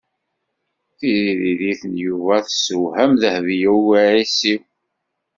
Tiririt n Yuba tessewhem Dehbiya u Ɛisiw.